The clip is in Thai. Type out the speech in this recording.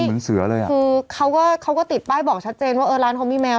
เหมือนเสือเลยอ่ะคือเขาก็เขาก็ติดป้ายบอกชัดเจนว่าเออร้านเขามีแมว